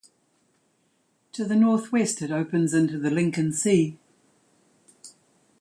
To the northwest it opens into the Lincoln Sea.